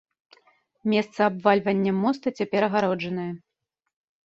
Месца абвальвання моста цяпер агароджанае.